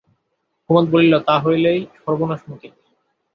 কুমুদ বলিল, তা হলেই সর্বনাশ মতি।